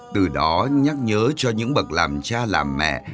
từ đó nhắc nhớ cho những bậc làm cha làm mẹ